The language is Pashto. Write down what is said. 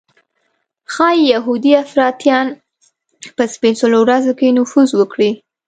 ښایي یهودي افراطیان په سپېڅلو ورځو کې نفوذ وکړي.